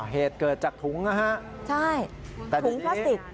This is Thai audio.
เหตุเกิดจากถุงนะฮะใช่ถุงพลาสติก